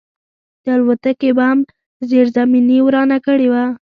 د الوتکې بم زیرزمیني ورانه کړې وه